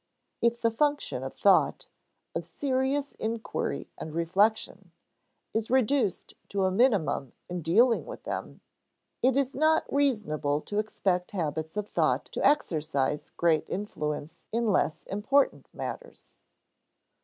If the function of thought, of serious inquiry and reflection, is reduced to a minimum in dealing with them, it is not reasonable to expect habits of thought to exercise great influence in less important matters.